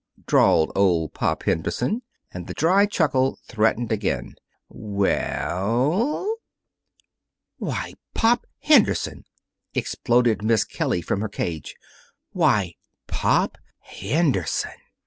drawled old Pop Henderson, and the dry chuckle threatened again. "We e ell?" "Why, Pop Henderson!" exploded Miss Kelly from her cage. "Why Pop Henderson!"